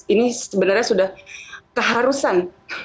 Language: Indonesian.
ini sebenarnya sudah keharusan